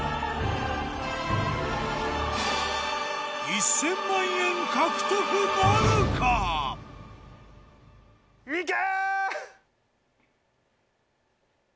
１０００万円獲得なるか⁉いけ！